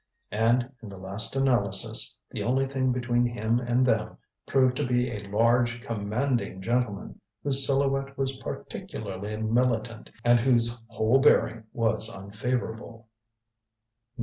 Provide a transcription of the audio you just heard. And, in the last analysis, the only thing between him and them proved to be a large commanding gentleman, whose silhouette was particularly militant and whose whole bearing was unfavorable.